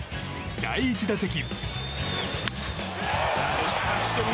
第１打席。